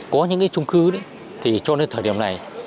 có những cái trung cư đấy thì cho đến thời điểm này